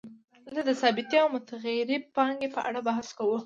دلته د ثابتې او متغیرې پانګې په اړه بحث کوو